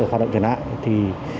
hoạt động trở lại